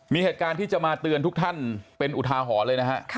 มีเหตุการณ์ที่จะมาเตือนทุกท่านเป็นอุทาหรณ์เลยนะฮะ